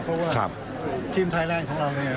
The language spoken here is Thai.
เพราะว่าทีมไทยแลนด์ของเราเนี่ย